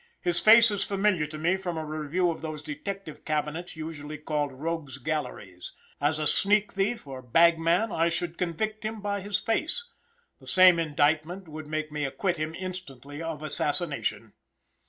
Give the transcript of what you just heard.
His face is familiar to me from a review of those detective cabinets usually called "Rogues' Galleries." As a "sneak thief" or "bagman," I should convict him by his face; the same indictment would make me acquit him instantly of assassination.